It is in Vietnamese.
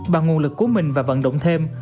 bằng nguồn lực của mình và vận động thêm